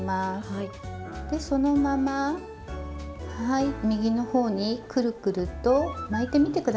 でそのままはい右の方にくるくると巻いてみて下さい。